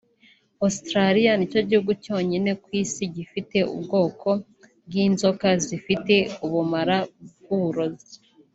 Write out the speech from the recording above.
Australia ni cyo gihugu cyonyine ku isi gifite ubwoko bw’inzoka zifite ubumara bw’uburozi